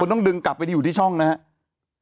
ต้องดึงกลับไปอยู่ที่ช่องนะครับ